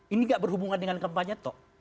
ini tidak berhubungan dengan kampanye